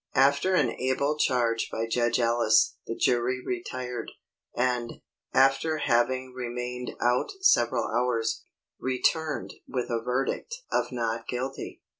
After an able charge by Judge Ellis, the jury retired, and, after having remained out several hours, returned with a verdict of NOT GUILTY.